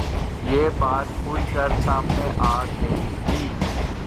یہ بات کُھل کر سامنے آ گئی تھی